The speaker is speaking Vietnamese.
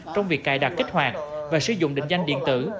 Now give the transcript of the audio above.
trong việc cài đặt kích hoạt và sử dụng định danh điện tử